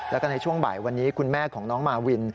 แล้วก็ในช่วงบ่ายวันนี้คุณแม่ของน้องมาวิน